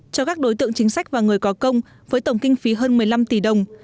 cho các đối tượng chính sách và người có công với tổng kinh phí hơn một mươi năm tỷ đồng